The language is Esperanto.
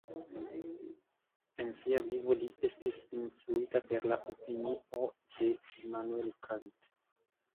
En sia vivo li estis influita per la opinio de Immanuel Kant.